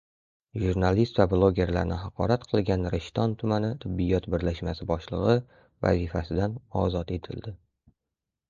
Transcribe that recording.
Jurnalist va blogerlarni haqorat qilgan Rishton tumani tibbiyot birlashmasi boshlig‘i vazifasidan ozod etildi